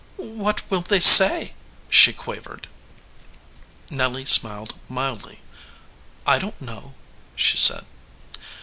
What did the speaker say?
"What will they say?" she quavered. Nelly smiled mildly. "I don t know," she said.